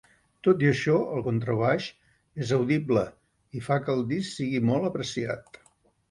Tot i això, el contrabaix és audible i fa que el disc sigui molt apreciat.